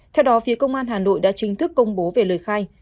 theo đó phía công an hà nội đã chính thức công bố về lời khai